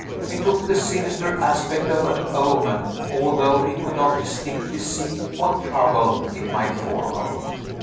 It took the sinister aspect of an omen, although he could not distinctly see what trouble it might forebode.